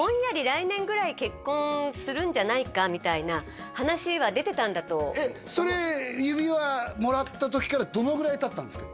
来年ぐらい結婚するんじゃないかみたいな話は出てたんだとえっそれ指輪もらった時からどのぐらいたったんですか？